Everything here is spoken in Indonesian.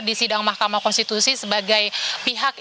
di sidang mahkamah konstitusi sebagai pihak